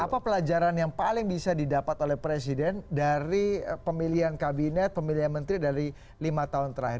apa pelajaran yang paling bisa didapat oleh presiden dari pemilihan kabinet pemilihan menteri dari lima tahun terakhir